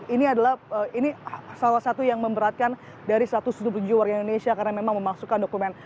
ini adalah ini salah satu yang memberatkan dari satu ratus tujuh puluh tujuh warga indonesia karena memang memasukkan dokumen